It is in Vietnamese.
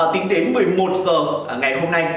tính đến một mươi một h ngày hôm nay